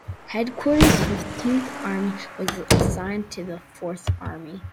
Headquarters, Fifteenth Army was then assigned to the Fourth Army.